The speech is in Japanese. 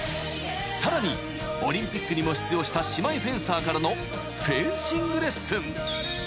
［さらにオリンピックにも出場した姉妹フェンサーからのフェンシングレッスン］